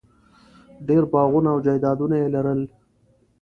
ډېر باغونه او جایدادونه یې لرل.